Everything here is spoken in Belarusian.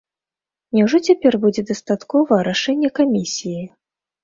Няўжо цяпер будзе дастаткова рашэння камісіі?